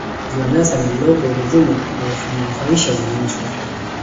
ziwa nyasa lililopo ruvuma linawanufaisha wananchi